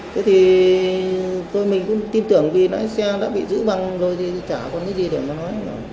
thế thì tôi mình cũng tin tưởng vì nó lái xe đã bị giữ bằng rồi thì trả còn cái gì để mà nói